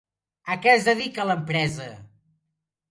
A què es dedica l'empresa?